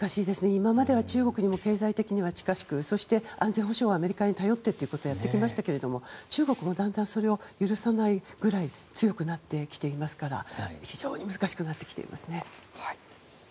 今までは中国に経済的に近しくそして、安全保障はアメリカに頼ってってことをやってきましたけれども中国もだんだん、それを許さないぐらい強くなってきてますから非常に難しくなってきてますね。